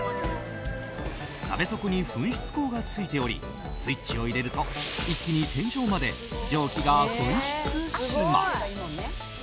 鍋底に噴出口がついておりスイッチを入れると一気に天井まで蒸気が噴出します。